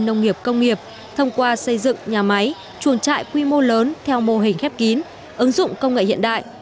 nông nghiệp công nghiệp thông qua xây dựng nhà máy chuồng trại quy mô lớn theo mô hình khép kín ứng dụng công nghệ hiện đại